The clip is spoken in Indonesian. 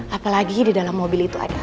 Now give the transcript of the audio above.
apalagi di dalam mobil itu ada